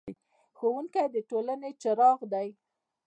ښوونکی د ټولنې څراغ دی.